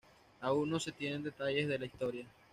Aún no se tienen detalles de la historia.